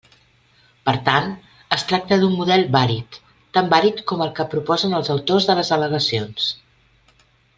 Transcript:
Per tant es tracta d'un model vàlid, tan vàlid com el que proposen els autors de les al·legacions.